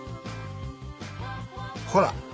ほら！